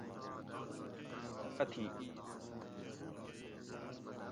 ان اتھی اِیس گھی اوڛینہ گا